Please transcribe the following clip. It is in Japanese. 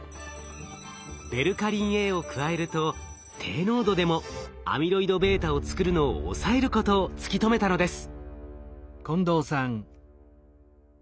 ベルカリンＡを加えると低濃度でもアミロイドβを作るのを抑えることを突き止めたのです。